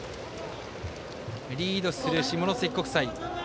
リードする下関国際。